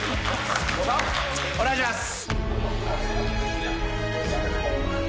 お願いします。